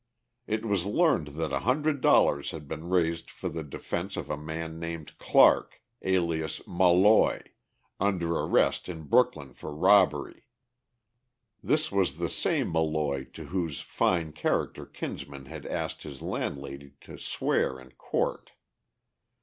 It was learned that a hundred dollars had been raised for the defense of a man named Clarke, alias "Molloy," under arrest in Brooklyn for robbery. This was the same Molloy to whose fine character Kinsman had asked his landlady to swear in court.